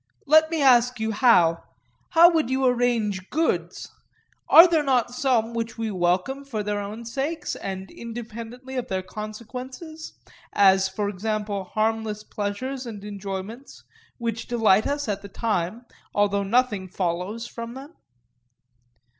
Let me ask you now:—How would you arrange goods—are there not some which we welcome for their own sakes, and independently of their consequences, as, for example, harmless pleasures and enjoyments, which delight us at the time, although nothing follows from them?